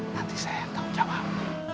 nanti saya akan jawab